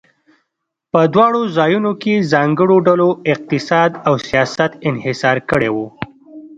په دواړو ځایونو کې ځانګړو ډلو اقتصاد او سیاست انحصار کړی و.